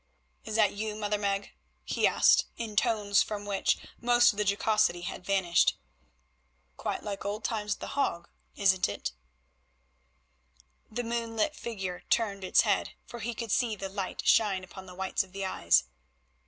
"Is that you, Mother Meg?" he asked in tones from which most of the jocosity had vanished. "Quite like old times at The Hague—isn't it?" The moonlit figure turned its head, for he could see the light shine upon the whites of the eyes.